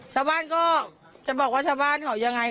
ชาวบ้านก็จะบอกว่าชาวบ้านเขายังไง